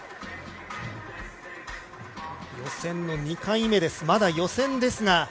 予選の２回目です、まだ予選ですが。